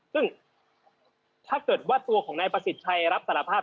ซึ่งถ้าเกิดว่าตัวของนายประสิทธิ์ชัยรับสารภาพ